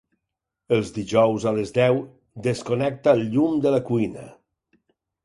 Els dijous a les deu desconnecta el llum de la cuina.